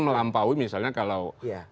melampaui misalnya kalau